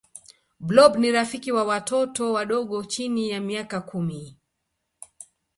blob ni rafiki wa watoto wadogo chini ya miaka kumi